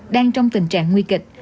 đang trong tình trạng nguy kịch